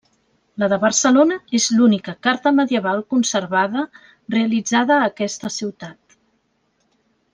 La de Barcelona és l'única carta medieval conservada realitzada a aquesta ciutat.